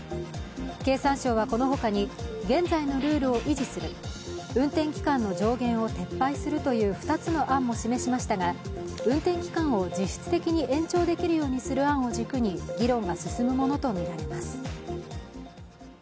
経産省はこのほかに、現在のルールを維持する、運転期間の上限を撤廃するという２つの案を示しましたが運転期間を実質的に延長できる案を軸に議論が進むものとみられます。